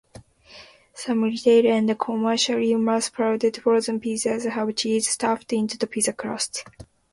Some retail and commercially mass-produced frozen pizzas have cheese stuffed into the pizza crust.